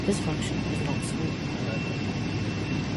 This function is not smooth however.